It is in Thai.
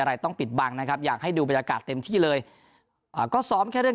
อะไรต้องปิดบังนะครับอยากให้ดูบรรยากาศเต็มที่เลยอ่าก็ซ้อมแค่เรื่อง